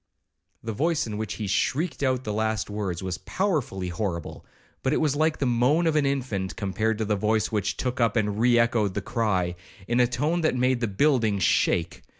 The voice in which he shrieked out the last words was powerfully horrible, but it was like the moan of an infant, compared to the voice which took up and re echoed the cry, in a tone that made the building shake.